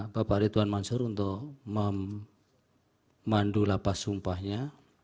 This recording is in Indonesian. bapak arief tuhan mansyar untuk memandu lapas sumpahnya